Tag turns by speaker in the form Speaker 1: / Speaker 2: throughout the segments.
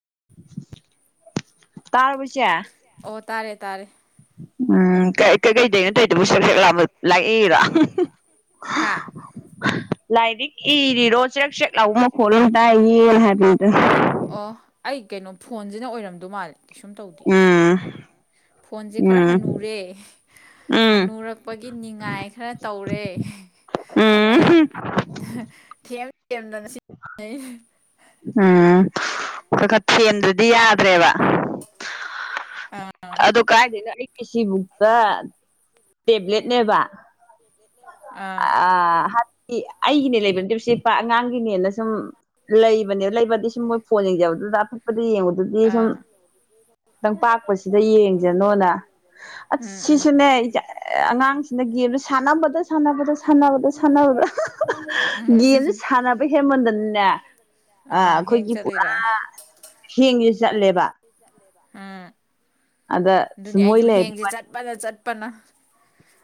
Speaker 1: [inaudible] ꯇꯥꯔꯕꯣ ꯏꯆꯦ ꯎꯝ ꯀꯩꯀꯩꯗꯩꯅꯣꯠꯇꯧꯗꯕꯨ ꯁꯛ ꯁꯦꯛ ꯂꯥꯛꯑꯕ ꯂꯥꯛꯏꯔ
Speaker 2: ꯍꯥ
Speaker 1: ꯂꯥꯏꯔꯤꯛ ꯏꯔꯤꯔꯣ ꯆꯔꯦꯛ ꯆꯦꯛ ꯂꯥꯎꯕ ꯃꯈꯣꯜ ꯑꯃ ꯇꯥꯏꯌꯦ ꯍꯥꯏꯕꯅꯦ
Speaker 2: ꯑꯣ ꯑꯩ ꯀꯩꯅꯣ ꯐꯣꯟꯁꯤꯅ ꯑꯣꯏꯔꯝꯗꯣꯏ ꯃꯥꯜꯂ ꯀꯩꯁꯨꯝ ꯇꯧꯗꯦ ꯐꯣꯟꯁꯦ ꯈꯔ ꯍꯟꯅꯨꯔꯦ ꯍꯅꯨꯔꯛꯄꯒꯤ ꯅꯤꯡꯅꯤꯉꯥꯏ ꯈꯔ ꯇꯧꯔꯦ ꯑꯗꯣ ꯑꯩꯅ ꯊꯦꯝ ꯊꯦꯝꯗꯅ ꯁꯤꯖꯤꯟꯅꯔꯤꯅꯤ
Speaker 1: ꯎꯝ ꯈꯈ ꯊꯦꯝꯗ꯭ꯔꯗꯤ ꯌꯥꯗ꯭ꯔꯦꯕ ꯑꯗꯨ ꯀꯥꯏꯗꯩꯅꯣ ꯑꯩꯒꯤ ꯁꯤꯕꯨꯛꯇ ꯇꯦꯕ꯭ꯂꯦꯠꯅꯦꯕ ꯑ ꯑꯩꯒꯤꯅꯦ ꯂꯩꯕꯅꯤ ꯆꯦꯠꯄ ꯑꯉꯥꯡꯒꯤꯅꯦꯅ ꯁꯨꯝ ꯂꯩꯕꯅꯦ ꯂꯩꯕ ꯁꯨꯝ ꯃꯣꯏ ꯐꯣꯟ ꯌꯦꯡꯖꯕ ꯑꯗꯨꯗ ꯑꯄꯤꯛꯄꯗ ꯌꯦꯡꯉꯨꯗꯨꯗꯤ ꯁꯨꯝ ꯅꯪꯄꯥꯛꯥꯛꯄꯁꯤꯗ ꯌꯦꯡꯁꯅꯣꯅ ꯑꯁ ꯁꯤꯁꯨꯅꯦ ꯑꯉꯥꯡꯁꯤꯅ ꯒꯦꯝꯁꯦ ꯁꯥꯟꯅꯕꯗ ꯁꯥꯟꯅꯕꯗ ꯁꯥꯟꯅꯕꯗ ꯁꯥꯟꯅꯕꯗ ꯒꯤꯅ ꯁꯥꯟꯅꯕ ꯍꯦ ꯃꯗꯅꯤꯅꯦ
Speaker 2: ꯑ ꯍꯦꯡ ꯆꯠ
Speaker 1: ꯄꯨꯔꯥ ꯍꯦꯡꯁꯤ ꯆꯠꯂꯦꯕ
Speaker 2: ꯑꯝ
Speaker 1: ꯑꯗ ꯁꯃꯂ
Speaker 2: ꯄꯅ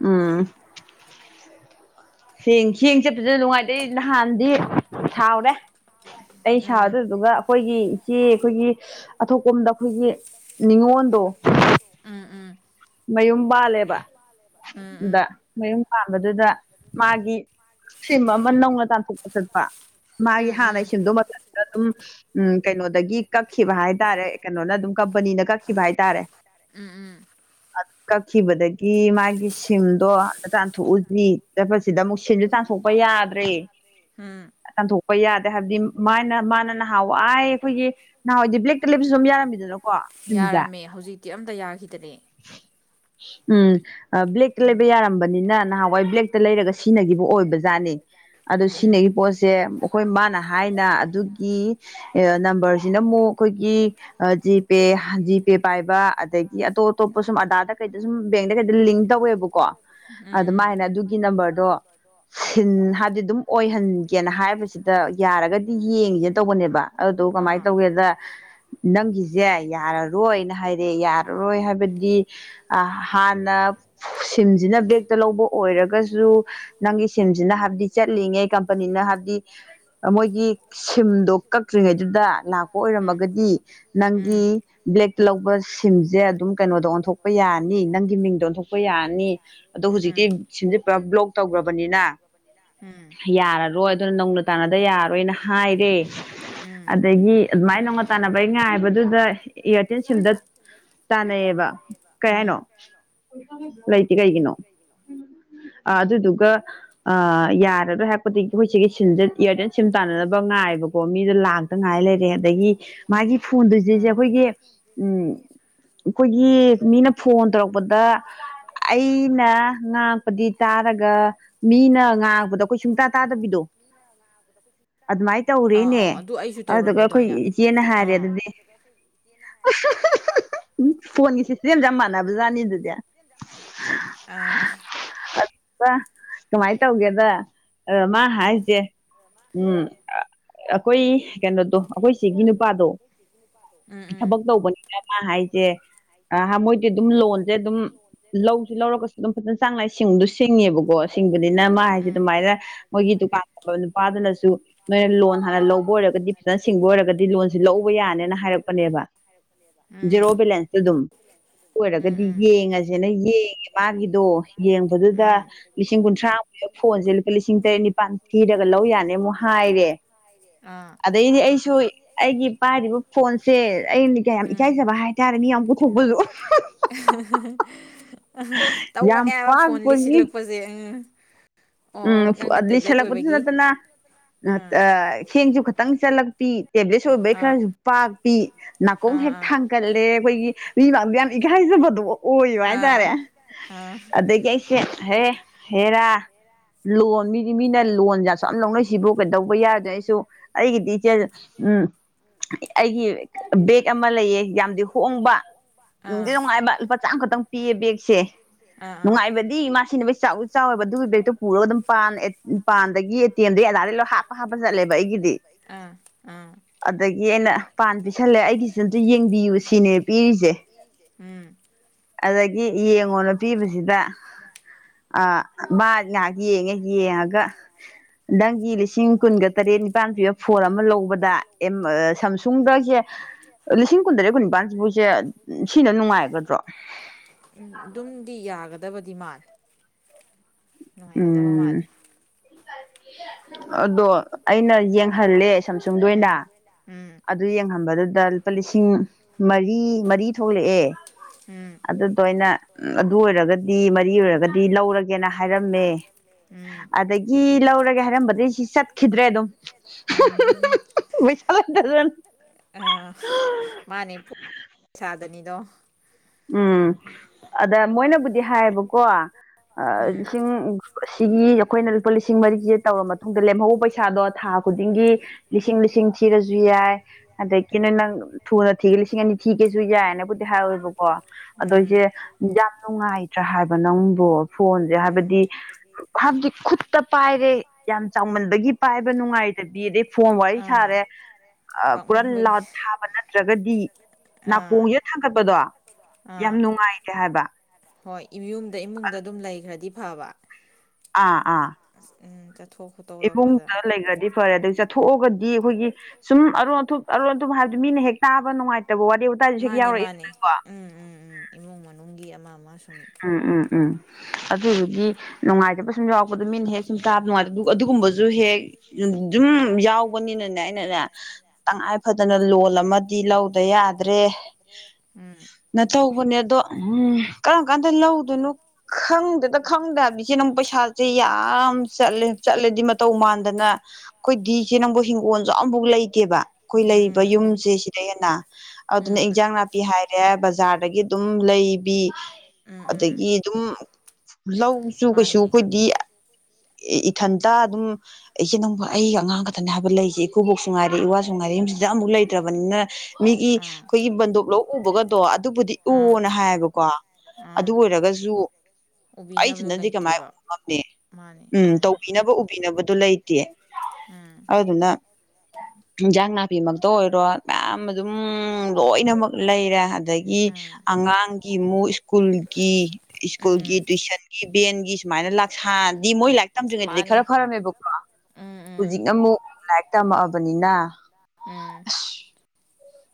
Speaker 1: ꯎꯝ ꯁꯦꯡ ꯁꯦꯡ ꯆꯠꯄꯁꯤꯗ ꯅꯨꯡꯉꯥꯏꯇꯩ ꯅꯍꯥꯟꯗꯤ ꯁꯥꯎꯔꯦ ꯑꯩ ꯁꯥ ꯑꯗꯨꯗꯨꯒ ꯑꯩꯈꯣꯏꯒꯤ ꯏꯆꯦ ꯑꯩꯈꯣꯏꯒꯤ ꯑꯊꯣꯞꯄꯝꯗ ꯑꯩꯈꯣꯏꯒꯤ ꯅꯤꯉꯣꯟꯜꯗꯣ
Speaker 2: ꯑꯥ ꯑꯝ
Speaker 1: ꯃꯌꯨꯝ ꯄꯥꯜꯂꯦꯕ ꯗ ꯃꯌꯨꯝ ꯄꯥꯟꯕꯗꯨꯗ ꯃꯥꯒꯤ ꯁꯤꯝ ꯑꯃ ꯅꯧꯅ ꯇꯥꯟꯊꯣꯛꯄ ꯆꯠꯄ ꯃꯥꯒꯤ ꯍꯥꯟꯅꯒꯤ ꯁꯤꯝꯗ ꯃꯇꯝꯊꯗ ꯑꯗꯨꯝ ꯎꯝ ꯀꯩꯅꯣꯗꯒꯤ ꯀꯛꯈꯤꯕ ꯍꯥꯏꯇꯥꯔꯦ ꯀꯩꯅꯣꯅ ꯑꯗꯨꯝ ꯀꯝꯄꯅꯤꯅ ꯀꯛꯈꯤꯕ ꯍꯥꯏꯇꯥꯔꯦ
Speaker 2: ꯎꯝ ꯎꯝ
Speaker 1: ꯀꯛꯈꯤꯕꯗꯒꯤ ꯃꯥꯒꯤ ꯁꯤꯝꯗꯣ ꯇꯥꯟ ꯊꯣꯛꯎꯁꯤ ꯁꯤꯗ ꯑꯃꯨꯛ ꯁꯤꯟꯁꯨ ꯆꯥꯝꯊꯣꯛꯄ ꯌꯥꯗ꯭ꯔꯦ ꯇꯥꯟꯊꯣꯛꯄ ꯌꯥꯗꯦ ꯍꯥꯏꯕꯗꯤ ꯃꯥꯅ ꯃꯥꯅ ꯅꯍꯥꯎꯋꯥ ꯑꯩꯈꯣꯏꯒꯤ ꯅꯍꯥꯎꯋꯥꯗꯤ ꯕ꯭ꯂꯦꯛꯇ ꯂꯦꯞꯁꯨ ꯁꯝ ꯌꯥꯔꯝꯃꯤꯗꯅ
Speaker 2: ꯌꯥꯔꯝꯃꯦ ꯍꯧꯖꯤꯛꯇꯤ ꯑꯝꯇ ꯌꯥꯈꯤꯗ꯭ꯔꯦ
Speaker 1: ꯎꯝ ꯕ꯭ꯂꯦꯛꯇ ꯂꯩꯕ ꯌꯥꯔꯝꯕꯅꯤꯅ ꯅꯍꯥꯟꯋꯥꯏ ꯕ꯭ꯂꯦꯛꯇ ꯂꯩꯔꯒ ꯁꯤꯟꯅꯈꯤꯕ ꯑꯣꯏꯕꯖꯥꯠꯅꯦ ꯑꯗꯨ ꯁꯤꯅꯒꯤ ꯄꯣꯠꯁꯦ ꯑꯩꯈꯣꯏ ꯃꯥꯅ ꯍꯥꯏꯅ ꯑꯗꯨꯒꯤ ꯅꯝꯕꯔ ꯁꯤꯅ ꯑꯃꯨꯛ ꯑꯩꯈꯣꯏꯒꯤ ꯖꯤꯄꯦ ꯖꯤꯄꯦ ꯄꯥꯏꯕ ꯑꯗꯒꯤ ꯑꯇꯣꯞ ꯑꯇꯣꯞꯄ ꯁꯨꯝ ꯑꯗꯥꯗ ꯀꯩꯗ ꯁꯨꯝ ꯕꯦꯡꯗ ꯀꯩꯗ ꯂꯤꯡ ꯇꯧꯋꯦꯕꯀꯣ ꯑꯗꯨꯃꯥꯏꯅ ꯑꯗꯨꯒꯤ ꯅꯝꯕꯔꯗꯣ ꯁꯤꯟ ꯍꯥꯏꯕꯗꯤ ꯑꯗꯨꯝ ꯑꯣꯏꯍꯟꯒꯦꯅ ꯍꯥꯏꯕꯁꯤꯗ ꯌꯥꯔꯒꯗꯤ ꯌꯦꯡꯉꯦꯅ ꯇꯧꯕꯅꯦꯕ ꯑꯗꯨꯗꯨ ꯀꯃꯥꯏꯅ ꯇꯧꯒꯦꯗ ꯅꯪꯒꯤꯁꯦ ꯌꯥꯔꯔꯣꯏꯅ ꯍꯥꯏꯔꯦ ꯌꯥꯔꯔꯣꯏ ꯍꯥꯏꯕꯗꯤ ꯍꯥꯟꯅ ꯁꯤꯝꯁꯤꯅ ꯕꯦꯛꯇ ꯂꯧꯕ ꯑꯣꯏꯔꯒꯁꯨ ꯁꯤꯝꯁꯤꯅ ꯍꯥꯏꯕꯗꯤ ꯆꯠꯂꯤꯉꯩ ꯀꯝꯄꯅꯤꯅ ꯍꯥꯏꯕꯗꯤ ꯃꯣꯏꯒꯤ ꯁꯤꯝꯗꯣ ꯀꯛꯇ꯭ꯔꯤꯉꯩꯗ ꯑꯗꯨꯗ ꯂꯥꯛꯄ ꯑꯣꯏꯔꯝꯃꯒꯗꯤ ꯅꯪꯒꯤ ꯕ꯭ꯂꯦꯛꯇ ꯂꯧꯕ ꯁꯤꯝꯁꯦ ꯑꯗꯨꯝ ꯀꯩꯅꯣꯗꯣ ꯑꯣꯟꯊꯣꯛꯄ ꯌꯥꯅꯤ ꯅꯪꯒꯤ ꯃꯤꯡꯗ ꯑꯣꯟꯊꯣꯛꯄ ꯌꯥꯔꯅꯤ ꯑꯗꯣ ꯍꯧꯖꯤꯛꯇꯤ ꯁꯤꯁꯦ ꯄꯨꯔꯥ ꯕ꯭ꯂꯣꯛ ꯇꯧꯕ꯭ꯔꯥ ꯅꯤꯅ ꯌꯥꯔꯔꯣꯏ ꯑꯗꯨꯅ ꯅꯧꯅ ꯇꯥꯟꯅꯗ ꯌꯥꯔꯔꯣꯏꯅ ꯍꯥꯏꯔꯦ ꯑꯗꯒꯤ ꯑꯗꯨꯃꯥꯏꯅ ꯅꯧꯃꯅ ꯇꯥꯟꯅꯕꯩ ꯉꯥꯏꯕꯗꯨꯗ ꯏꯌꯥꯔꯇꯦꯜ ꯁꯤꯝꯗ ꯇꯥꯟꯅꯩꯌꯦꯕ ꯀꯩ ꯍꯥꯏꯅꯣ ꯂꯩꯇꯦ ꯀꯩꯒꯤꯅꯣ ꯑ ꯑꯗꯨꯗꯨꯒ ꯑ ꯌꯥꯔꯔꯣꯏ ꯍꯥꯏ ꯑꯩꯈꯣꯏ ꯁꯤ ꯏꯌꯥꯔꯇꯦꯜ ꯁꯤꯝ ꯇꯥꯟꯅꯅꯕ ꯉꯥꯏꯑꯕꯀꯣ ꯃꯤꯗꯣ ꯂꯥꯛꯇ ꯉꯥꯏ ꯂꯩꯔꯦ ꯑꯗꯒꯤ ꯐ ꯑꯩꯈꯣꯏꯒꯤ ꯎ ꯑꯗꯒꯤ ꯃꯤꯅ ꯐꯣꯟ ꯇꯧꯔꯛꯄꯗ ꯑꯩꯅ ꯉꯥꯡꯄꯗꯤ ꯇꯥꯔꯒ ꯃꯤꯅ ꯉꯥꯡꯄꯗꯣ ꯑꯩꯈꯣꯏ ꯁꯨꯡꯇ ꯇꯥꯗꯕꯤꯗꯣ ꯑꯗꯨꯃꯥꯏꯅ ꯇꯧꯔꯤꯦꯅꯦ ꯑꯗꯨꯒ ꯑꯩꯈꯣꯏ ꯏꯆꯦꯅ ꯍꯥꯏꯔꯦ ꯑꯗꯨꯗꯤ [unintelligible] ꯎ ꯐꯣꯟꯒꯤ ꯁꯤꯁꯇꯦꯝꯁꯦ ꯌꯥꯝ ꯃꯥꯟꯅꯕꯖꯥꯠꯅꯤ ꯑꯗꯨꯗꯤ
Speaker 2: ꯑ
Speaker 1: ꯑ ꯀꯃꯥꯏꯅ ꯇꯧꯒꯦꯗ ꯑꯗꯣ ꯃꯥ ꯍꯥꯏꯁꯦ ꯎꯝ ꯑꯩꯈꯣꯏ ꯀꯩꯅꯣꯗꯣ ꯑꯩꯈꯣꯏ ꯁꯤꯒꯤ ꯅꯨꯄꯥꯗꯣ ꯊꯕꯛ ꯇꯧꯕꯅꯤꯅ ꯃꯥ ꯍꯥꯏ ꯦ ꯃꯣꯏꯗꯤ ꯑꯗꯨꯝ ꯂꯣꯟꯁꯦ ꯑꯗꯨꯝ ꯂꯧꯁꯨ ꯂꯧꯔꯒꯁꯨ ꯑꯗꯨꯝ ꯐꯖꯅ ꯆꯥꯡ ꯅꯥꯏ ꯁꯤꯡꯗ ꯁꯤꯡꯉꯦꯕꯀꯣ ꯁꯤꯡꯕꯅꯤꯅ ꯃꯥ ꯍꯥꯏꯁꯦ ꯑꯗꯨꯃꯥꯏꯅ ꯃꯣꯏꯒꯤ ꯗꯨꯀꯥꯟ ꯇꯕ ꯅꯨꯄꯥꯗꯨꯅꯁꯨ ꯅꯣꯏ ꯂꯣꯟ ꯍꯥꯟꯅ ꯂꯧꯕ ꯑꯣꯏꯔꯒꯗꯤ ꯐꯖꯅ ꯁꯤꯡꯕ ꯑꯣꯏꯔꯒꯗꯤ ꯂꯣꯟꯁꯦ ꯂꯧꯕ ꯌꯥꯅꯦꯅ ꯍꯥꯏꯔꯛꯄꯅꯦꯕꯦꯣ ꯑꯣꯏꯔꯒꯗꯤ ꯌꯦꯡꯉꯁꯦꯅ ꯌꯦꯡꯉꯦ ꯃꯥꯒꯤꯗꯣ ꯌꯦꯡ ꯑꯗꯨꯗ ꯂꯤꯁꯤꯡ ꯀꯨꯟꯊ꯭ꯔꯥꯃꯨꯛ ꯐꯣꯟꯁꯦ ꯂꯨꯄꯥ ꯂꯤꯁꯤꯡ ꯇꯔꯦꯠ ꯅꯤꯄꯥꯜ ꯊꯤꯔꯒ ꯂꯧ ꯌꯥꯅꯤ ꯑꯃꯨꯛ ꯍꯥꯏꯔꯦ ꯑꯗꯩꯗꯤ ꯑꯩꯁꯨ ꯑꯩꯒꯤ ꯄꯥꯏꯔꯤꯕ ꯐꯣꯟꯁꯦ ꯑꯩꯅꯀ ꯌꯥꯝ ꯏꯀꯥꯏꯖꯕ ꯍꯥꯏ ꯇꯔ ꯃꯤ ꯑ ꯀꯕꯨꯊꯣꯛꯒꯗꯣ
Speaker 2: ꯎꯝ ꯇꯧꯕꯅꯦ ꯍꯥꯏꯕ ꯐꯣꯟ ꯂꯤꯁꯤꯜꯂꯛꯄꯁꯦ ꯎꯝ
Speaker 1: ꯎꯝ ꯂꯩꯁꯜꯂꯛꯄꯗꯁꯨ ꯅꯠꯇꯅ ꯁꯦꯡꯁꯨ ꯈꯇꯪ ꯆꯠꯂꯛꯄꯤ ꯇꯦꯕ꯭ꯂꯦꯠꯁ ꯑꯣꯏꯕꯩ ꯈꯔꯁꯨ ꯄꯥꯛ ꯄꯤ ꯅꯥꯀꯣꯡ ꯍꯦꯛ ꯊꯥꯡꯀꯠꯂꯦ ꯑꯩꯈꯣꯏꯒꯤ ꯃꯤꯃꯥꯡꯗ ꯌꯥꯝ ꯏꯀꯥꯏꯖꯕꯗꯨꯕꯨ ꯑꯣꯏꯌꯨ ꯍꯥꯏꯇꯥꯔꯦ ꯑꯗꯒꯤ ꯑꯩꯁꯦ ꯍꯦ ꯍꯦꯔꯥ ꯂꯣꯟ ꯃꯤꯗꯤ ꯃꯤꯅ ꯂꯣꯟꯖꯥꯠꯁꯨ ꯌꯥꯝ ꯂꯧꯅꯩ ꯁꯤꯕꯣ ꯀꯩꯗꯧꯕ ꯌꯥꯗ꯭ꯔꯣ ꯑꯩꯁꯨ ꯑꯩꯒꯤꯗꯤ ꯏꯆꯔ ꯎꯝ ꯑꯩꯒꯤ ꯕꯦꯒ ꯑꯃ ꯂꯩꯌꯦ ꯌꯥꯝꯗꯤ ꯍꯣꯡꯕ ꯅꯨꯡꯗꯤ ꯅꯨꯡꯉꯥꯏꯕ ꯂꯨꯄꯥ ꯈꯛꯇꯪ ꯄꯤꯑꯌꯦ ꯕꯦꯒꯁꯦ ꯅꯨꯡꯉꯥꯏꯕꯗꯤ ꯏꯃꯥ ꯁꯤꯟꯅꯕꯩ ꯆꯥꯎꯋ ꯆꯥꯎꯋꯦꯕ ꯑꯗꯨꯒꯤ ꯕꯦꯛꯇꯣ ꯄꯨꯔꯒ ꯑꯗꯨꯝ ꯄꯥꯟ ꯄꯥꯟꯗꯒꯤ ꯑꯦ ꯇꯤ ꯑꯦꯝꯗꯒꯤ ꯑꯗꯥꯗꯒꯤꯩ ꯂ ꯍꯥꯞꯄ ꯍꯥꯞꯄ ꯆꯠꯂꯦꯕ ꯑꯩꯒꯤꯗꯤ ꯑꯗꯒꯤ ꯑꯩꯅ ꯄꯥꯟ ꯄꯤꯁꯜꯂꯦ ꯑꯩꯒꯤꯁꯨ ꯑꯝꯇ ꯌꯦꯡꯕꯤꯌꯨ ꯁꯤꯅꯦ ꯄꯤꯔꯤꯁꯦ
Speaker 2: ꯎꯝ
Speaker 1: ꯑꯗꯒꯤ ꯌꯦꯡꯉꯣꯅ ꯄꯤꯕꯁꯤꯗ ꯑ ꯉꯍꯥꯛ ꯌꯦꯡꯉ ꯌꯦꯡꯉꯒ ꯃꯊꯪꯒꯤ ꯂꯤꯁꯤꯡ ꯀꯨꯟꯒ ꯇꯔꯦꯠ ꯅꯤꯄꯥꯜ ꯄꯤꯕ ꯐꯣꯟ ꯑꯃ ꯂꯧꯕꯗ ꯁꯝꯁꯨꯡꯗꯁꯦ ꯂꯤꯁꯤꯡ ꯀꯨꯟꯇꯔꯦꯠ ꯀꯨꯟ ꯅꯤꯄꯥꯥꯟꯁꯤꯕꯣꯏꯁꯦ ꯁꯤꯅ ꯅꯨꯡꯉꯥꯏꯒꯗ꯭ꯔꯣ
Speaker 2: ꯎꯝ ꯑꯗꯨꯝꯗꯤ ꯌꯥꯒꯗꯕꯗꯤ ꯃꯥꯂꯦ ꯅꯨꯡꯉꯥꯏꯒꯗꯕ ꯃꯥꯂꯦ
Speaker 1: ꯑꯗꯣ ꯑꯩꯅ ꯌꯦ ꯍꯜꯂꯦ ꯁꯝ ꯁꯨꯝꯗ ꯑꯣꯏꯅ ꯑꯗꯨ ꯌꯦꯡꯍꯟꯕꯗꯨꯗ ꯂꯨꯄꯥ ꯂꯤꯁꯤꯡ ꯃꯔꯤ ꯃꯔꯤ ꯊꯣꯛꯂꯛꯑꯦ ꯑꯗꯨꯗ ꯑꯩꯅ ꯑꯗꯨ ꯑꯣꯏꯔꯒꯗꯤ ꯃꯔꯤ ꯑꯣꯏꯔꯒꯗꯤ ꯂꯧꯔꯒꯦꯅ ꯍꯥꯏꯔꯛ ꯃ꯭ꯂ ꯑꯗꯒꯤ ꯂꯧꯔꯒꯦ ꯍꯥꯏꯔꯝꯕꯗꯤ ꯁꯤ ꯆꯠꯈꯤꯗ꯭ꯔꯦ ꯑꯗꯨꯝ ꯅ
Speaker 2: ꯑꯥ ꯃꯥꯅꯦ ꯁꯥꯗꯅꯤꯗꯣ
Speaker 1: ꯎꯝ ꯑꯗ ꯃꯣꯏꯅꯕꯨꯗꯤ ꯍꯥꯏꯌꯦꯕꯀꯣ ꯂꯤꯁꯤꯡ ꯁꯤꯒꯤ ꯑꯩꯈꯣꯏꯅ ꯂꯨꯄꯥ ꯂꯤꯁꯤꯡ ꯃꯔꯤꯁꯦ ꯇꯧꯔ ꯃꯇꯨꯡꯗ ꯂꯦꯝꯍꯧꯕ ꯄꯩꯁꯥꯗꯣ ꯊꯥ ꯗꯤꯡꯁꯤꯡ ꯂꯤꯁꯤꯡ ꯊꯤꯔꯁꯨ ꯌꯥꯏ ꯑꯗꯒꯤ ꯅꯣꯏ ꯅꯪ ꯊꯨꯅ ꯊꯤꯒ ꯂꯤꯁꯤꯡ ꯑꯅꯤ ꯊ ꯀꯦꯁꯨ ꯌꯥꯏꯅꯕꯨꯗꯤ ꯍꯥꯏꯔꯋꯦꯕꯀꯣ ꯑꯗꯣꯁꯦ ꯅꯨꯡꯉꯥꯏꯇ꯭ꯔꯥ ꯍꯥꯏꯕ ꯅꯪꯕꯨ ꯐꯣꯟꯁꯦ ꯍꯥꯏꯕꯗꯤ ꯍꯥꯏꯕꯗꯤ ꯈꯨꯠꯇ ꯄꯥꯏꯔꯦ ꯌꯥꯝ ꯆꯥꯎꯃꯟꯕꯒꯤ ꯄꯥꯏꯕ ꯅꯨꯡꯉꯥꯏꯇꯕꯤ ꯑꯗꯩ ꯐꯣꯟ ꯋꯥꯔꯤ ꯁꯥꯔꯦ ꯑ ꯄꯨꯔꯥ ꯂꯥꯠ ꯊꯥꯕ ꯅꯠꯇ꯭ꯔꯒꯗꯤ ꯅꯥꯀꯣꯡꯁꯦ ꯊꯥꯡꯒꯠꯄꯗꯣ ꯌꯥꯝ ꯅꯨꯡꯉꯥꯏꯇꯦ ꯍꯥꯏꯕ
Speaker 2: ꯍꯣꯏ ꯌꯨꯝꯗ ꯏꯃꯨꯡꯗ ꯑꯗꯨꯝ ꯂꯩꯈ꯭ꯔꯗꯤ ꯐꯕ
Speaker 1: ꯑꯥ ꯑꯥ ꯏꯃꯨꯡꯗ ꯂꯩꯈ꯭ꯔꯗꯤ ꯐꯔꯦ ꯑꯗꯨꯩ ꯆꯠꯊꯣꯛꯑꯒꯗꯤ ꯑꯩꯈꯣꯏꯒꯤ ꯁꯨꯝ ꯑꯔꯣꯟ ꯑꯊꯨꯞ ꯑꯔꯣꯟ ꯑꯊꯨꯞ ꯍꯥꯏ ꯑꯗꯨ ꯃꯤꯅ ꯍꯦꯛ ꯇꯥꯕ ꯅꯨꯡꯉꯥꯏꯇꯕ ꯋꯥꯔꯤ ꯋꯥꯇꯥꯏꯁꯨ ꯍꯦꯛ ꯌꯥꯎꯔꯛꯑꯏꯗꯅꯀꯣ ꯎꯝ ꯎꯝ ꯎꯝ ꯑꯗꯨꯗꯨꯒꯤ ꯅꯨꯡꯉꯥꯏꯇꯕ ꯁꯨꯝ ꯌꯥꯎꯔꯛꯄꯗꯣ ꯃꯤꯅ ꯍꯦꯛ ꯁꯨꯝ ꯇꯥꯕ ꯅꯨꯡꯉꯥꯏ ꯑꯗꯨꯒꯨꯝꯕꯁꯨ ꯍꯦꯛ ꯎꯝ ꯌꯥꯎꯕꯅꯤꯅꯅꯦ ꯑꯩꯅꯅꯦ ꯇꯉꯥꯏ ꯐꯗꯅ ꯂꯣ ꯑꯃꯗꯤ ꯂꯧꯗ ꯌꯥꯗ꯭ꯔꯦ
Speaker 2: ꯎꯝ
Speaker 1: ꯅ ꯇꯧꯕꯅꯦ ꯑꯗꯣ ꯎꯝ ꯀꯔꯝ ꯀꯥꯟꯗ ꯂꯧꯗꯣꯏꯅꯣ ꯈꯪꯗꯗ ꯈꯪꯗꯕꯤꯁꯦ ꯅꯪ ꯄꯩꯁꯥꯁꯦ ꯌꯥꯝ ꯆꯠꯂꯦ ꯆꯠꯂꯦꯗꯤ ꯃꯇꯧ ꯃꯥꯟꯗꯅ ꯑꯩꯈꯣꯏꯗꯤ ꯏꯆꯦ ꯅꯪꯕꯨ ꯍꯤꯡꯒꯣꯜꯁꯨ ꯑꯃꯐꯥꯎ ꯂꯩꯇꯦꯕ ꯑꯩꯈꯣꯏ ꯂꯩꯔꯤꯕ ꯌꯨꯝꯁꯦ ꯁꯤꯗꯩ ꯍꯦꯟꯅ ꯑꯗꯨꯅ ꯏꯟꯖꯥꯡ ꯅꯥꯄꯤ ꯍꯥꯏꯔ ꯕꯖꯥꯔꯗꯒꯤ ꯑꯗꯨꯝ ꯂꯩꯕꯤ ꯑꯗꯒꯤ ꯑꯗꯨꯝ ꯂꯧꯁꯨꯨ ꯀꯩꯁꯨ ꯑꯩꯈꯣꯏꯗꯤ ꯏꯊꯟꯇ ꯑꯗꯨꯝ ꯏꯆꯦ ꯅꯣꯡ ꯑꯩꯒ ꯑꯉꯥꯡ ꯈꯛꯇꯅꯦ ꯍꯥꯏꯕ ꯂꯩꯁꯦ ꯏꯈꯨꯕꯣꯛꯁꯨ ꯉꯥꯏꯔꯦ ꯏ ꯋꯥꯁꯨ ꯉꯥꯏꯔꯦ ꯌꯁꯤꯗ ꯑꯃꯨꯛ ꯂꯩꯇ꯭ꯔꯕꯅꯤꯅ ꯃꯤꯒꯤ ꯑꯩꯈꯣꯏꯒꯤ ꯕꯟꯗꯣꯞ ꯂꯧ ꯎꯕꯒꯗꯣ ꯑꯗꯨꯕꯨꯗꯤ ꯎꯅ ꯍꯥꯏꯌꯦꯕꯀꯣ ꯑꯗꯨ ꯑꯣꯏꯔꯒꯁꯨ ꯑꯩ ꯊꯟꯗꯗꯤꯦ ꯀꯃꯥꯏ ꯎꯉꯞꯅꯦ ꯎꯝ ꯇꯧꯕꯤꯅꯕ ꯎꯕꯤꯅꯕꯗꯨ ꯂꯩꯇꯦ ꯑꯗꯨꯅ ꯏꯟꯖꯥꯡ ꯅꯥꯄꯤꯃꯛꯇ ꯑꯣꯏꯔꯣ ꯃꯌꯥꯝ ꯑꯗꯨꯝ ꯂꯣꯏꯅꯃꯛ ꯂꯩꯔꯦ ꯑꯗꯒꯤ ꯑꯉꯥꯡꯒꯤ ꯑꯃꯨꯛ ꯁ꯭ꯀꯨꯜꯒꯤ ꯁ꯭ꯀꯨꯜꯒꯤ ꯇꯨꯏꯁꯟꯒꯤ ꯕꯦꯟꯒꯤ ꯁꯨꯃꯥꯏꯅ ꯂꯥꯛꯁꯥ ꯗꯤ ꯃꯣꯏ ꯂꯥꯏꯔꯤꯛ ꯇꯝꯗ꯭ꯔꯤꯉꯩꯗꯗꯤ ꯈꯔ ꯐꯔꯝꯃꯦꯕꯀꯣ ꯍꯧꯖꯤꯛꯅ ꯑꯃꯨꯛ ꯂꯛꯇꯃꯕꯅꯤꯅ
Speaker 2: ꯎꯝ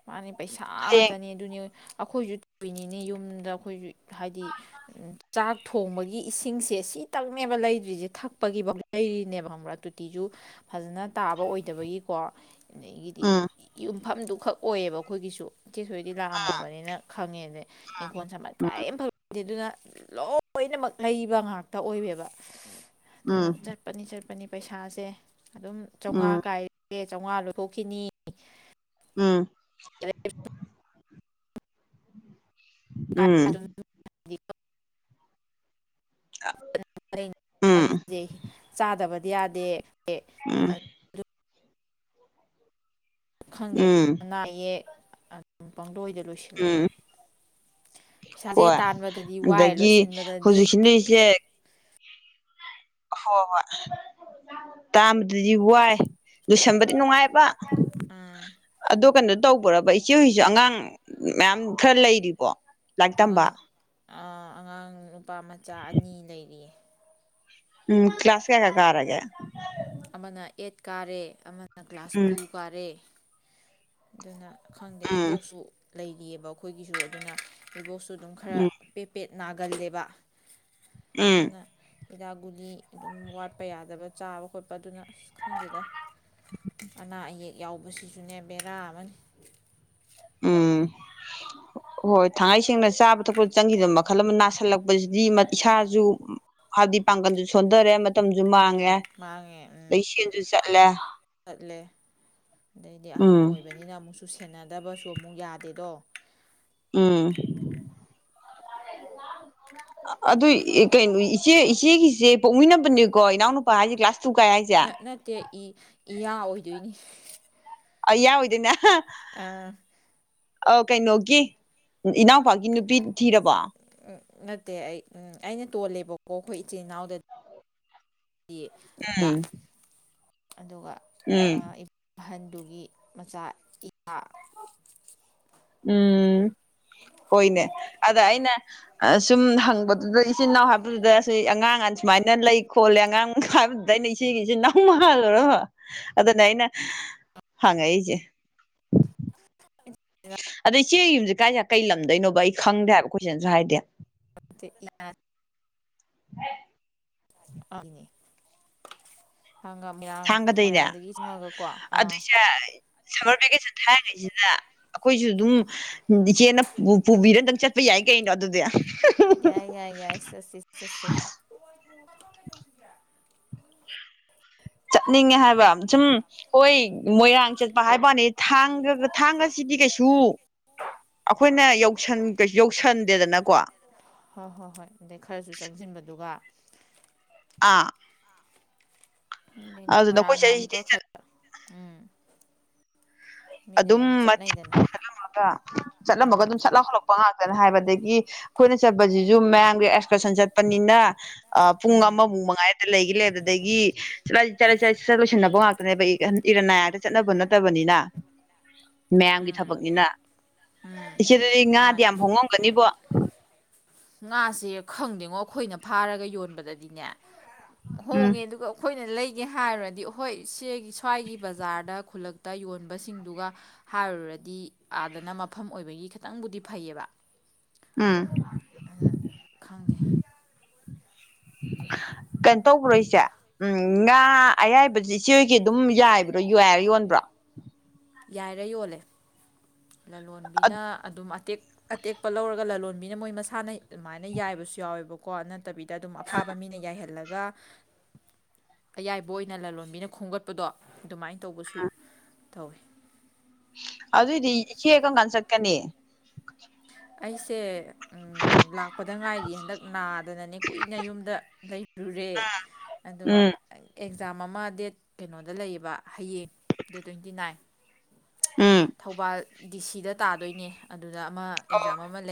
Speaker 2: ꯃꯥꯅꯤ ꯄꯩꯁꯥ ꯉꯇꯅꯤ ꯑꯗꯨꯅꯤ ꯑꯩꯈꯣꯏꯁꯨ ꯇꯨꯏꯅꯤꯅꯦ ꯌꯨꯝꯗ ꯑꯩꯈꯣꯏꯁꯨ ꯍꯥꯏꯗꯤ ꯆꯥꯛ ꯊꯣꯡꯕꯒꯤ ꯏꯁꯤꯡꯁꯦ ꯁꯤ ꯏꯇꯛꯅꯦꯕ ꯂꯩꯗ꯭ꯔꯤꯁꯦ ꯊꯛꯄꯒꯤꯐꯧ ꯂꯩꯔꯤꯅꯦꯕ ꯈꯪꯕ꯭ꯔꯥ ꯇꯣꯇꯤꯁꯨ ꯐꯖꯅ ꯇꯥꯕ ꯑꯣꯏꯗꯕꯒꯤ ꯀꯣ ꯑꯗꯒꯤꯗꯤ ꯌꯨꯝꯐꯝꯗꯨꯈꯛ ꯑꯣꯏꯌꯦꯕ ꯑꯩꯈꯣꯏꯒꯤꯁꯨ ꯏ ꯀꯦ ꯁꯣꯏꯗꯤ ꯂꯥꯛꯑꯝꯃꯕꯅꯤꯅ ꯈꯪꯉꯦꯗ ꯏꯪꯈꯣꯜ ꯁꯃꯅ ꯀꯔꯤꯝ ꯐ ꯑꯗꯨꯅ ꯂꯣꯏꯅꯃꯛ ꯂꯩꯕ ꯉꯥꯛꯇ ꯑꯣꯏꯌꯦꯕ ꯑꯗꯨꯅ ꯆꯠꯄꯅꯤ ꯆꯠ ꯠꯄꯅꯤ ꯄꯩꯁꯥꯁꯦ ꯑꯗꯨꯝ ꯆꯥꯝꯃꯉꯥ ꯀꯥꯏꯔꯦ ꯆꯥꯝꯃꯉꯥ ꯂꯧꯊꯣꯛꯈꯤꯅꯤ
Speaker 1: ꯎꯝ
Speaker 2: ꯍꯦ ꯀ꯭ꯁ [inaudible] ꯆꯥꯗꯕꯗꯤ ꯌꯥꯗꯦ ꯈꯪꯗꯦ ꯑꯅꯥ ꯑꯌꯦꯛ ꯑꯗꯨꯝ ꯄꯪꯗꯣꯏꯗ ꯂꯣꯏꯁꯤꯜꯂꯦꯕ
Speaker 1: ꯍꯣꯏ ꯑꯗꯒꯤ ꯍꯧꯖꯤꯛꯁꯤꯅꯁꯦ ꯍꯣ ꯍꯣꯏ ꯇꯥꯝꯕꯗꯗꯤ ꯋꯥꯏ ꯂꯣꯏꯁꯟꯕꯗꯤ ꯅꯨꯡꯉꯥꯏꯕ ꯑꯗꯣ ꯀꯟꯅ ꯇꯧꯕꯔꯕ ꯏꯆꯦ ꯍꯁꯨ ꯑꯉꯥꯡ ꯃꯌꯥꯝ ꯈꯔ ꯂꯩꯔꯤꯕꯣ ꯂꯥꯏꯔꯤꯛ ꯇꯝꯕ
Speaker 2: ꯑꯉꯥꯡ ꯅꯨꯄꯥ ꯃꯆꯥ ꯑꯅꯤ ꯂꯩꯔꯤꯌꯦ
Speaker 1: ꯎꯝ ꯀ꯭ꯂ꯭ꯂꯥꯁ ꯀꯌꯥꯒ ꯀ ꯑꯥꯔꯒꯦ
Speaker 2: ꯑꯃꯅ ꯑꯩꯠ ꯀꯥꯔꯦ ꯑꯃꯅ ꯀ꯭ꯂꯥꯁ ꯇꯨ ꯀꯥꯔꯦ ꯑꯗꯨꯅ ꯈꯪꯗꯦ ꯏꯕꯣꯛꯁꯨ ꯂꯩꯔꯤꯑꯕ ꯑꯩꯈꯣꯏꯒꯤꯁꯨ ꯑꯗꯨꯅ ꯏꯕꯣꯛꯁꯨ ꯑꯗꯨꯝ ꯈꯔ ꯄꯦꯄꯦꯠ ꯅꯥꯒꯜꯂꯦꯕ ꯑꯗꯨꯅ ꯍꯤꯗꯥꯛ ꯒꯨꯂꯤ ꯑꯗꯨꯝ ꯋꯥꯠꯄ ꯌꯥꯗꯕ ꯆꯥꯕ ꯈꯣꯠꯄ ꯑꯗꯨꯅ ꯑꯁ ꯈꯪꯒꯦꯗ ꯑꯅꯥ ꯑꯌꯦꯛ ꯌꯥꯎꯕꯁꯤꯁꯨꯅꯦ ꯕꯦꯔꯥ ꯑꯃꯅꯤ
Speaker 1: ꯎꯝ ꯍꯣꯏ ꯊꯥꯡꯉꯩ ꯁꯦꯡꯅ ꯆꯥꯕ ꯊꯛꯄ ꯆꯪꯈꯤꯗꯕ ꯃꯈꯜ ꯑꯃ ꯅꯥꯁꯤꯜꯂꯛꯄꯁꯤꯗꯤ ꯏꯁꯥꯁꯨ ꯍꯜꯗꯤ ꯄꯥꯡꯒꯟꯗꯤ ꯁꯨꯗ꯭ꯔ ꯑꯦ ꯃꯇꯝꯁꯨ ꯃꯥꯡꯉꯦ ꯂꯩꯁꯦꯟꯁꯨ ꯆꯠꯂꯦ
Speaker 2: ꯑꯗꯩꯗꯤ ꯑꯍꯟ ꯑꯣꯏꯕꯅꯤꯅ ꯑꯃꯨꯛꯁꯨ ꯁꯦꯟꯅꯗꯕꯁꯨ ꯑꯃꯨꯛ ꯌꯥꯗꯦꯗꯣ
Speaker 1: ꯎꯝ ꯑꯗꯨ ꯀꯩꯅꯣ ꯏꯆꯦ ꯏꯆꯦꯒꯤꯁꯦ ꯄꯣꯛꯃꯤꯟꯅꯕꯅꯦꯀꯣ ꯏꯅꯥꯎꯅꯨꯄꯥ ꯍꯥꯏꯁꯦ ꯀ꯭ꯂꯥꯁ
Speaker 2: ꯅꯠꯇꯦ ꯏ ꯏꯌꯥ ꯑꯣꯏꯗꯣꯏꯅꯤ
Speaker 1: ꯑ ꯌꯥꯎ ꯏꯗꯅ
Speaker 2: ꯑꯥ
Speaker 1: ꯑ ꯀꯩꯅꯣꯒꯤ ꯏꯅꯥꯎꯄꯥꯀꯤ ꯅꯨꯄꯤ ꯊꯤꯔꯕ
Speaker 2: ꯑꯠꯇꯦ ꯑꯩ ꯑꯩꯅ ꯇꯣꯜꯂꯦꯕꯀꯣ ꯑꯩꯈꯣꯏ ꯏꯆꯤꯜ ꯏꯅꯥꯎꯗꯗꯤ ꯑꯗꯨꯒ ꯑꯍꯟꯗꯨꯒꯤ ꯃꯆꯥ ꯏꯌꯥꯥ
Speaker 1: ꯎꯝ ꯍꯣꯏꯅꯦ ꯑꯗ ꯑꯩꯅ ꯁꯨꯝ ꯍꯪꯕꯗꯨꯗ ꯏꯆꯤꯟꯜ ꯏꯅꯥꯎ ꯍꯥꯏꯕꯗꯨꯗ ꯑꯉꯥꯡ ꯑꯥꯟ ꯁꯨꯃꯥꯏꯅ ꯂꯩ ꯈꯣꯂꯦ ꯑꯉꯥꯡ ꯗ ꯑꯩꯅ ꯏꯆꯦꯒꯤꯁꯤꯦ ꯅꯧ ꯃꯥꯜꯂ ꯑꯗꯨꯅ ꯑꯩꯅ ꯍꯉ ꯑꯩꯖꯦ ꯏꯆꯦ ꯌꯨꯝꯁꯦ ꯀꯥꯏꯁꯦ ꯀꯩ ꯂꯝꯗꯣꯏꯅꯣꯕ ꯑꯩ ꯈꯪꯗꯦ ꯍꯥꯏꯕ ꯀꯣꯏꯁꯟꯁꯨ ꯍꯥꯏꯗꯦ
Speaker 2: [inaudible]
Speaker 1: [inaudible]
Speaker 2: ꯑꯅꯤ ꯍꯪꯒ ꯃꯣꯏꯔꯥꯡ ꯃꯣꯏꯔꯥꯡꯗꯒꯤ ꯆꯪꯉꯒꯀꯣ ꯑꯥ
Speaker 1: ꯁꯝꯃꯔ ꯚꯦꯀꯦꯁꯟ ꯊꯥꯏꯔꯤꯉꯩꯁꯤꯗ ꯑꯩꯈꯣꯏꯁꯨ ꯑꯗꯨꯝ ꯏꯆꯦꯅ ꯄꯨꯕꯤꯔ ꯑꯗꯨꯝ ꯆꯠꯄ ꯌꯥꯏ ꯀ ꯀꯩꯩꯅꯣ ꯑꯗꯨꯗꯦ
Speaker 2: ꯌꯥꯏ ꯌꯥꯏ ꯌꯥꯏ ꯁꯠꯔꯤ ꯁꯔꯤ
Speaker 1: ꯆꯠꯅꯤꯡꯉꯦ ꯍꯥꯏꯕ ꯁꯨꯝ ꯍꯣꯏ ꯃꯣꯏꯔꯥꯡ ꯆꯠꯄ ꯍꯥꯏꯕꯅꯤ ꯊꯥꯡꯒ ꯊꯥꯡꯒꯁꯤ ꯍꯧꯗꯤ ꯀꯩꯁꯨ ꯑꯩꯈꯣꯏꯅ ꯌꯧꯁꯟ ꯀꯩ ꯌꯧꯁꯟꯗꯦꯗꯅꯀꯣ
Speaker 2: ꯍꯣꯏ ꯍꯣꯏ ꯍꯣꯏ ꯑꯗꯩ ꯈꯔꯁꯨ ꯆꯪꯁꯤꯟꯕꯗꯨꯒ
Speaker 1: ꯑꯥ
Speaker 2: ꯃꯔꯣꯏꯔꯥꯡꯅ ꯑꯃꯨꯛꯀ ꯈꯔ ꯎꯝ
Speaker 1: ꯑꯗꯨꯝ ꯃꯇ ꯆꯠꯂꯝꯂꯒ ꯆꯠꯂꯝꯃꯒ ꯑꯗꯨꯝ ꯆꯠꯂ ꯍꯧꯂꯛꯄ ꯉꯥꯛꯇ ꯅ ꯍꯥꯏꯕꯗꯒꯤ ꯑꯩꯈꯣꯏꯅ ꯆꯠꯄꯕꯁꯤꯁꯨ ꯃꯌꯥꯝꯒꯤ ꯑꯦꯛꯁꯀꯔꯁꯟ ꯆꯠꯄꯅꯤꯅ ꯑ ꯄꯨꯡ ꯑꯃꯃꯨꯛ ꯃꯉꯥꯏꯗ ꯂꯩꯈꯤ ꯂꯩ ꯑꯗꯨꯗꯒꯤ ꯆꯂ ꯆ ꯂꯣꯏꯁꯤꯟꯅꯕ ꯉꯥꯛꯇꯅꯦꯕ ꯏꯔꯟ ꯑꯌꯥꯛꯇ ꯆꯠꯅꯕ ꯅꯠꯇꯕꯅꯤꯅ ꯃꯌꯥꯝꯒꯤ ꯊꯕꯛꯅꯤꯅ ꯏꯆꯦꯗꯗꯤ ꯉꯥꯗꯤ ꯌꯥꯝ ꯍꯣꯡꯉꯝꯒꯅꯤꯕꯣ
Speaker 2: ꯉꯥꯁꯦ ꯈꯪꯗꯦꯉꯣ ꯑꯩꯈꯣꯏꯅ ꯐꯥꯔꯒ ꯌꯣꯟꯕꯗꯗꯤꯅꯦ ꯍꯣꯡꯉꯦ ꯑꯗꯨꯒ ꯑꯩꯈꯣꯏ ꯂꯩꯒꯦ ꯍꯥꯏꯔꯨꯔꯗꯤ ꯑꯍꯣꯏ ꯁꯤ ꯁ꯭ꯋꯥꯏꯒꯤ ꯕꯖꯥꯔꯗ ꯈꯨꯜꯂꯛꯇ ꯌꯣꯟꯕꯁꯤꯡꯗꯨꯒ ꯍꯥꯏꯔꯨꯔꯗꯤ ꯑꯥꯗꯅ ꯃꯐꯝ ꯑꯣꯏꯕꯒꯤ ꯈꯤꯇꯪꯕꯨꯗꯤ ꯐꯩꯌꯦꯕ
Speaker 1: ꯑꯝ
Speaker 2: ꯑꯗꯨꯗ ꯈꯪꯗꯦ
Speaker 1: [inaudible] ꯀꯩꯅꯣ ꯇꯧꯕ꯭ꯔꯣ ꯏꯆꯦ ꯎꯝ ꯉꯥ ꯑꯌꯥꯏꯕꯁꯦ ꯏꯆꯦ ꯍꯒꯤ ꯑꯗꯨꯝ ꯌꯥꯏꯕ꯭ꯔꯣ ꯌꯏꯔ ꯌꯣꯟꯕ꯭ꯔꯥ
Speaker 2: ꯌꯥꯏꯔ ꯌꯣꯜꯂꯦ ꯂꯂꯣꯟꯕꯤꯅ ꯑꯗꯨꯝ ꯑꯇꯦꯛ ꯑꯇꯦꯛꯄ ꯂꯧꯔꯒ ꯂꯂꯣꯟꯕꯤꯅ ꯃꯣꯏ ꯃꯁꯥꯅ ꯑꯗꯨꯃꯥꯏꯅ ꯌꯥꯏꯕꯁꯨ ꯌꯥꯎꯋꯦꯕꯀꯣ ꯅꯠꯇꯕꯤꯗ ꯑꯗꯨꯝ ꯑꯐꯕ ꯃꯤꯅ ꯌꯥꯏꯍꯜꯂꯒ ꯑꯗꯨꯒ ꯑꯌꯥꯏꯕ ꯑꯣꯏꯅ ꯂꯂꯣꯟꯕꯤꯅ ꯈꯣꯝꯒꯠꯄꯗꯣ ꯑꯗꯨꯃꯥꯏꯅ ꯇꯧꯕꯁꯨ ꯇꯧꯋꯤ
Speaker 1: ꯑꯗꯨꯏꯗꯤ ꯏꯆꯦ ꯀꯒꯥꯟ ꯆꯠꯀꯅꯤ
Speaker 2: ꯑꯩꯁꯦ ꯎ ꯂꯥꯛꯄꯗ ꯉꯥꯏꯔꯤ ꯍꯟꯗꯛ ꯅꯥꯗꯅꯅꯦ ꯀꯨꯏꯅ ꯌꯨꯝꯗ ꯂꯩ ꯔꯨꯨꯔꯦ ꯑꯗꯨꯒ ꯑꯦꯛꯖꯥꯝ ꯑꯃ ꯗꯦꯠ ꯀꯩꯅꯣꯗ ꯂꯩꯌꯦꯕ ꯍꯌꯦꯡ ꯗꯦꯠ ꯇ꯭ꯋꯦꯟꯇꯤ ꯅꯥꯏꯟ ꯊꯧꯕꯥꯜ ꯗꯤ ꯁꯤꯗ ꯇꯥꯗꯣꯏꯅꯦ ꯑꯗꯨꯗ ꯑꯃ ꯑꯦꯛꯖꯥꯝ ꯑꯃ ꯂꯩ